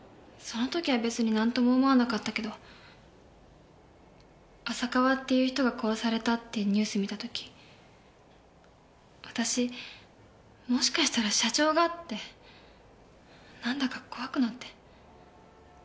その時は別になんとも思わなかったけど浅川っていう人が殺されたってニュース見た時私もしかしたら社長がってなんだか怖くなって。